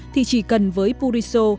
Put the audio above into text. thì chỉ cần với purisu